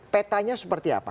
petanya seperti apa